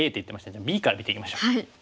じゃあＢから見ていきましょう。